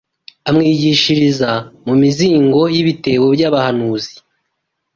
amwigishiriza mu mizingo y’ibitabo by’abahanuzi